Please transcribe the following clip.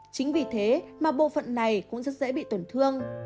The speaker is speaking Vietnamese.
chính vì thế mà bộ phận này cũng rất dễ bị tổn thương